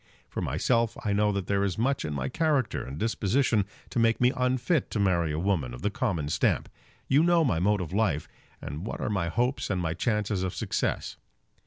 For myself I know that there is much in my character and disposition to make me unfit to marry a woman of the common stamp. You know my mode of life, and what are my hopes and my chances of success.